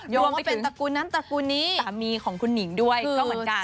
โยงไปถึงตระกุนนั้นตระกุนนี้ตามีของคุณนิงด้วยก็เหมือนกัน